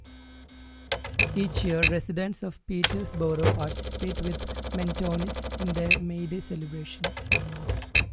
Each year residents of Petersboro participate with Mendonites in their May Day celebration.